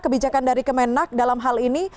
kebijakan dari kemenak dalam hal ini